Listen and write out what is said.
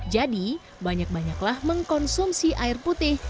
jadi banyak banyaklah mengkonsumsi air putih